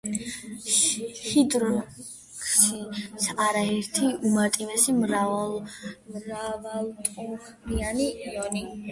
ჰიდროქსიდი არის ერთ ერთი უმარტივესი მრავალატომიანი იონი.